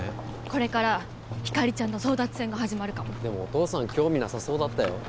これからひかりちゃんの争奪戦が始まるかもでもお父さん興味なさそうだったよな